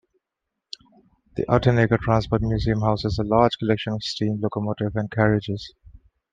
The Outeniqua Transport Museum houses a large collection of steam locomotives and carriages.